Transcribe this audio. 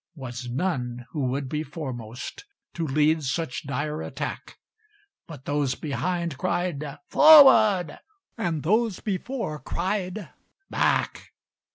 Was none who would be foremost To lead such dire attack; But those behind cried "Forward!" And those before cried "Back!"